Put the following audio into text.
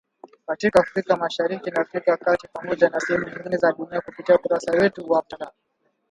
katika Afrika Mashariki na Afrika ya kati Pamoja na sehemu nyingine za dunia kupitia ukurasa wetu wa mtandao.